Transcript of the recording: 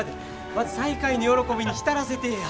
まず再会の喜びに浸らせてえや。